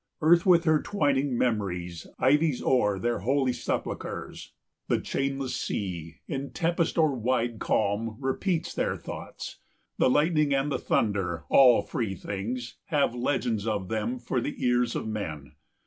Earth with her twining memories ivies o'er Their holy sepulchres; the chainless sea, 180 In tempest or wide calm, repeats their thoughts; The lightning and the thunder, all free things, Have legends of them for the ears of men.